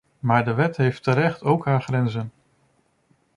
Maar de wet heeft terecht ook haar grenzen.